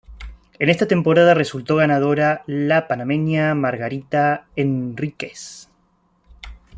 En esta temporada resultó ganadora la panameña Margarita Henríquez.